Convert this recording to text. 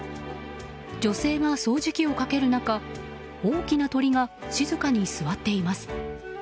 女性が掃除機をかける中大きな鳥が静かに座っています。